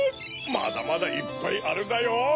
まだまだいっぱいあるだよ！